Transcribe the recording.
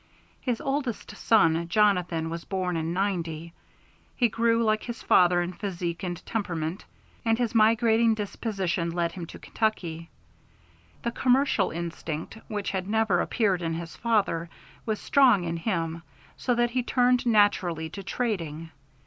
His oldest son, Jonathan, was born in '90. He grew like his father in physique and temperament, and his migrating disposition led him to Kentucky. The commercial instinct, which had never appeared in his father, was strong in him, so that he turned naturally to trading.